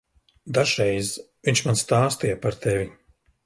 Dažreiz viņš man stāstīja par tevi.